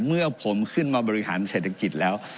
เมื่อผมขึ้นมาบริหารเศรษฐกิจแล้ว